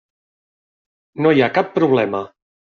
No hi ha cap problema.